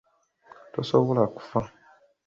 Tegusobola kufa.